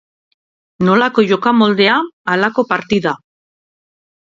Nolako jokamoldea halako partida.